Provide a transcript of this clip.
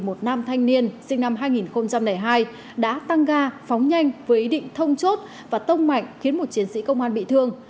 một nam thanh niên sinh năm hai nghìn hai đã tăng ga phóng nhanh với ý định thông chốt và tông mạnh khiến một chiến sĩ công an bị thương